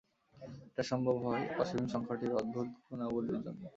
এটা সম্ভব হয় অসীম সংখ্যাটির অদ্ভুত গুণাবলীর জন্যে।